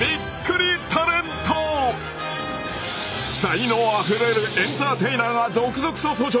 才能あふれるエンターテイナーが続々と登場！